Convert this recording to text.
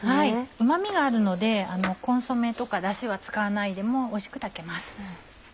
うま味があるのでコンソメとかダシは使わないでもおいしく炊けます。